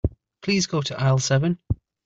Please go to aisle seven.